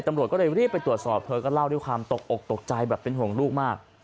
ตำรวจก็เลยรีบไปตรวจสอบเธอก็เล่าด้วยความตกอกตกใจแบบเป็นห่วงลูกมาก